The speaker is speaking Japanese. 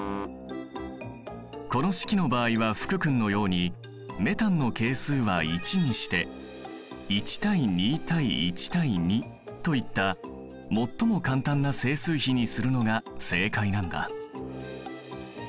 この式の場合は福君のようにメタンの係数は１にして１：２：１：２といった最も簡単な整数比にするのが正解なんだ。